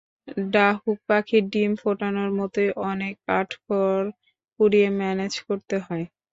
ডাহুক পাখির ডিম ফোটানোর মতোই অনেক কাঠখড় পুড়িয়ে ম্যানেজ করতে হয়।